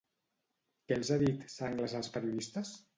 Què els ha dit Sanglas als periodistes?